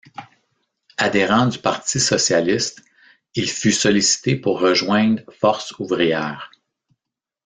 Adhérent du parti socialiste, il fut sollicité pour rejoindre Force ouvrière.